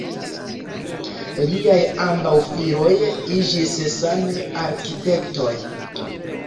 Liaj ambaŭ filoj iĝis same arkitektoj.